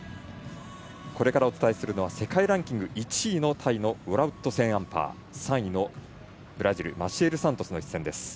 これからお伝えするのは世界ランキング１位、タイのウォラウット・セーンアンパー３位のブラジルマシエル・サントスの一戦です。